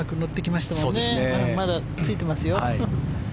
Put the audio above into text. まだついてますよ。